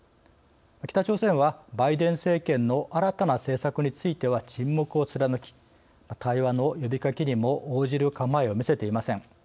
北朝鮮はバイデン政権の新たな政策については沈黙を貫き対話の呼びかけにも応じる構えを見せていません。